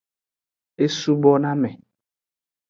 E subo na me.